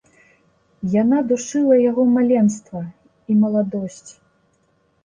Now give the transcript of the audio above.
Яна душыла яго маленства і маладосць.